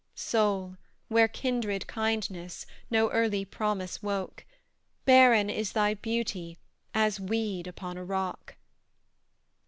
Soul where kindred kindness, No early promise woke, Barren is thy beauty, As weed upon a rock.